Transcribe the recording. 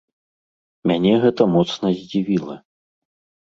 Мяне гэта моцна здзівіла.